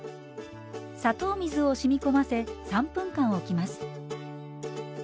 砂糖水をしみ込ませ３分間おきます。